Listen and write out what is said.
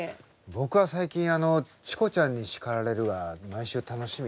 僕は最近「チコちゃんに叱られる！」は毎週楽しみ。